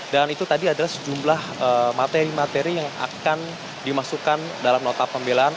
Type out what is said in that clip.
dan itu tadi adalah sejumlah materi materi yang akan dimasukkan dalam nota pembelahan